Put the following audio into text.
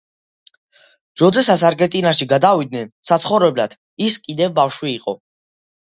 როდესაც არგენტინაში გადავიდნენ საცხოვრებლად ის კიდევ ბავშვი იყო.